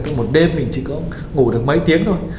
tức là một đêm mình chỉ có ngủ được mấy tiếng thôi